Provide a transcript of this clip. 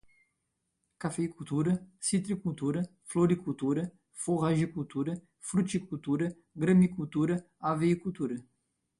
cafeicultura, citricultura, floricultura, forragicultura, fruticultura, gramicultura, haveicultura